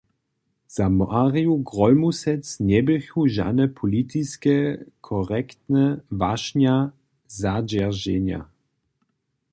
Za Marju Grólmusec njeběchu žane politiske korektne wašnja zadźerženja.